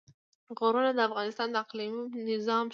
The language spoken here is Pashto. غرونه د افغانستان د اقلیمي نظام ښکارندوی ده.